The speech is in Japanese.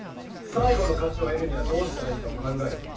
「最期の勝ちを得るにはどうしたらいいかを考えよ」。